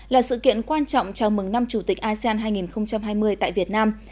là sự kiện quan trọng chào mừng năm chủ tịch asean hai nghìn hai mươi tại việt nam